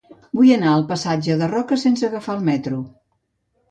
Vull anar al passatge de Roca sense agafar el metro.